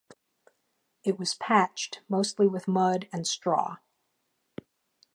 It was patched, mostly with mud and straw.